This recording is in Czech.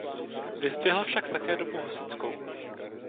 Vyzdvihl však také dobu husitskou.